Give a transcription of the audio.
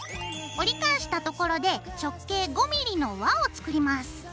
折り返したところで直径５ｍｍの輪を作ります。